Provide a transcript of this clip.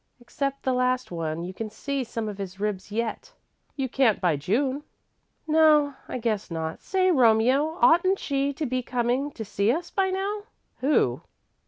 "Except the last one. You can see some of his ribs yet." "You can't by June." "No, I guess not. Say, Romie, oughtn't she to be coming to see us by now?" "Who?"